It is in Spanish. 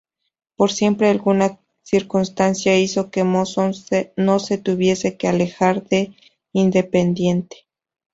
Pero siempre alguna circunstancia hizo que Monzón no se tuviese que alejar de Independiente.